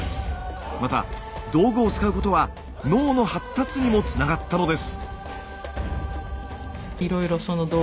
また道具を使うことは脳の発達にもつながったのです。